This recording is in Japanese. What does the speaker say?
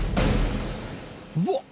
うわっ！